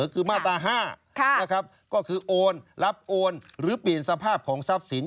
คือมาตรา๕ก็คือโอนรับโอนหรือปิดสภาพของทรัพย์ศิลป์